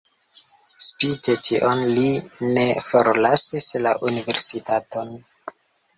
Spite tion li ne forlasis la universitaton.